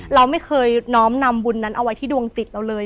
เราไม่เคยน้อมนำบุญนั้นเอาไว้ที่ดวงจิตเราเลย